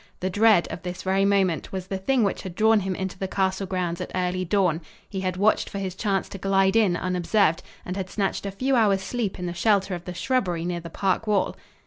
The dread of this very moment was the thing which had drawn him into the castle grounds at early dawn. He had watched for his chance to glide in unobserved, and had snatched a few hours' sleep in the shelter of the shrubbery near the park wall.